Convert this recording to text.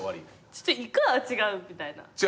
ちょっと行くは違うみたいな。